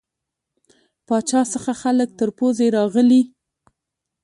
پاچا څخه خلک تر پوزې راغلي.